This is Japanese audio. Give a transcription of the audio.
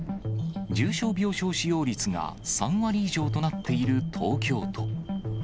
重症病床使用率が３割以上となっている東京都。